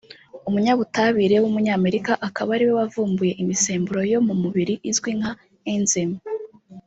umunyabutabire w’umunyamerika akaba ari we wavumbuye imisemburo yo mu mubiri izwi nka ‘Enzyme’